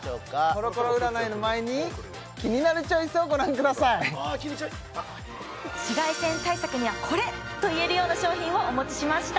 コロコロ占いの前に「キニナルチョイス」をご覧くださいわキニチョイ紫外線対策にはこれ！といえるような商品をお持ちしました